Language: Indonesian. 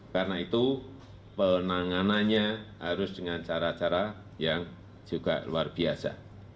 karena itu penanganannya harus dengan cara cara yang juga luar biasa